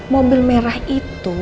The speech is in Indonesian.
mobil merah itu